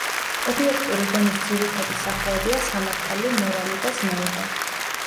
ობიექტური გონის ძირითადი სახეებია სამართალი, მორალი და ზნეობა.